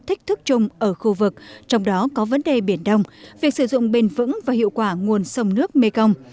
thách thức chung ở khu vực trong đó có vấn đề biển đông việc sử dụng bền vững và hiệu quả nguồn sông nước mekong